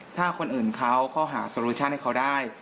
ถ้าคนอื่นเขาเขาหาโซโลชั่นให้เขาได้